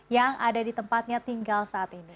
yang ada di tempatnya tinggal saat ini